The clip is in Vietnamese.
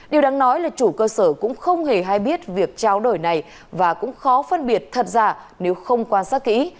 điều đáng nói là chủ cơ sở cũng không hề hay biết việc tráo đổi này và cũng khó phân biệt thật ra nếu không quan sát kỹ